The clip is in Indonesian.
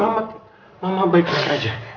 mama baik baik aja